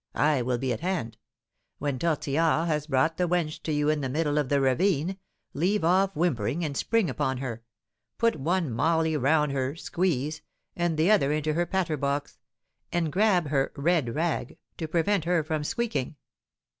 I will be at hand. When Tortillard has brought the wench to you in the middle of the ravine, leave off whimpering and spring upon her, put one 'mauley' round her 'squeeze,' and the other into her 'patter box,' and 'grab' her 'red rag' to prevent her from squeaking."